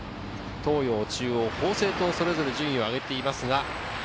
東洋、中央、法政とそれぞれ順位を上げています。